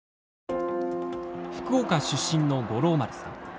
福岡出身の五郎丸さん。